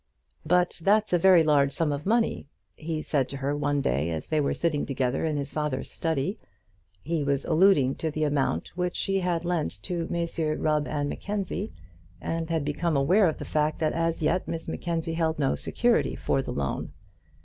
"But that's a very large sum of money?" he said to her one day as they were sitting together in his father's study. He was alluding to the amount which she had lent to Messrs Rubb and Mackenzie, and had become aware of the fact that as yet Miss Mackenzie held no security for the loan.